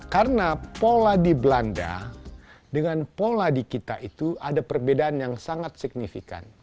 karena pola di belanda dengan pola di kita itu ada perbedaan yang sangat signifikan